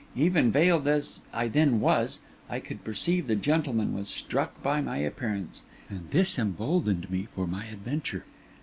Even veiled as I then was, I could perceive the gentleman was struck by my appearance: and this emboldened me for my adventure.